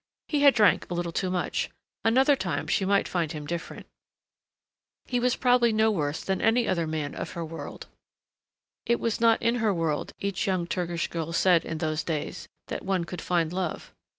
He had drank a little too much another time she might find him different. He was probably no worse than any other man of her world. It was not in her world, each young Turkish girl said in those days, that one could find love.